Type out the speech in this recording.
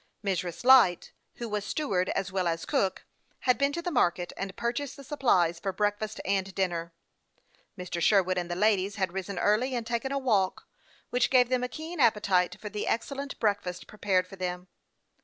Mrs. Light, who was steward as well as cook, had been to the market, and purchased the supplies for breakfast and dinner. Mr. Sherwood and the ladies had risen early, and taken a walk, which gave them a keen appetite for the excellent breakfast pre pared for them.